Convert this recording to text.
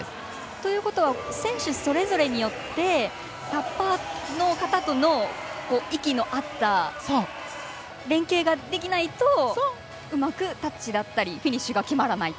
ということは選手それぞれによってタッパーの方との息の合った連係ができないとうまくタッチだったりフィニッシュが決まらないと。